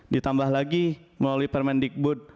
ditambah lagi melalui permendikbud